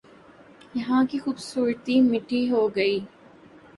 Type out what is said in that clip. یہاں کی خوبصورتی مٹی ہو گئی